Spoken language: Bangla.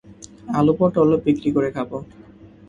আলু-পটল বিক্রি করে খাবো।